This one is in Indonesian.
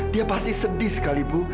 dia pasti sedih sekali bu